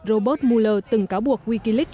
robert mueller từng cáo buộc wikileaks